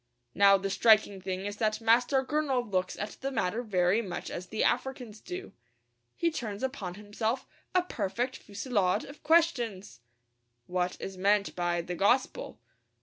Now the striking thing is that Master Gurnall looks at the matter very much as the Africans do. He turns upon himself a perfect fusillade of questions. What is meant by the gospel?